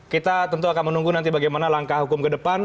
kita tentu akan menunggu nanti bagaimana langkah hukum ke depan